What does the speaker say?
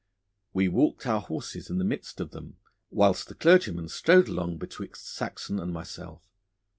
We walked our horses in the midst of them whilst the clergyman strode along betwixt Saxon and myself.